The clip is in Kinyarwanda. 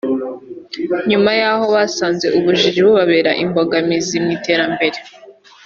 nyuma y’aho basanze ubujiji bubabera imbogamizi mu iterambere